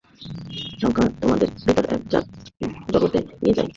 সেই সংখ্যা তোমাকে ভিন্ন এক জগতে নিয়ে যায়।